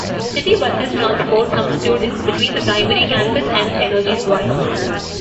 City buses transport some students between the primary campus and Energy Square.